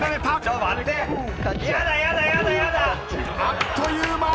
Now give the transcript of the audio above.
［あっという間。